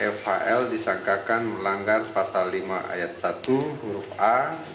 fhl disangkakan melanggar pasal lima ayat satu huruf a